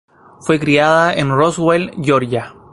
Fue criada en Roswell, Georgia.